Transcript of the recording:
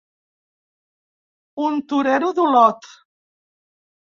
Un torero d’Olot.